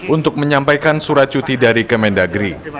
untuk menyampaikan surat cuti dari kemendagri